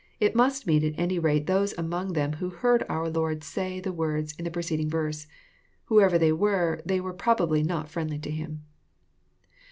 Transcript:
It must mean at any rate those among them who heard our Lord say the words in the preceding verse. Whoever they were, they were probably not friendly to Him.